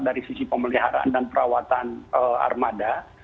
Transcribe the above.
dari sisi pemeliharaan dan perawatan armada